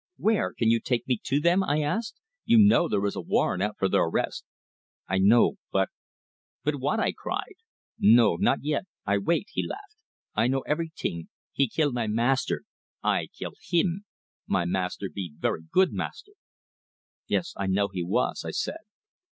"Where? Can you take me to them?" I asked. "You know there is a warrant out for their arrest?" "I know but " "But what?" I cried. "No, not yet. I wait," he laughed. "I know every ting. He kill my master; I kill him. My master be very good master." "Yes, I know he was," I said.